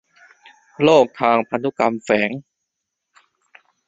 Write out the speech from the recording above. โรคทางพันธุกรรมแฝง